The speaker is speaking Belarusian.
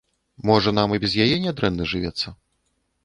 Можа нам і без яе нядрэнна жывецца?